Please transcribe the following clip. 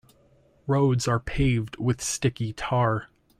Roads are paved with sticky tar.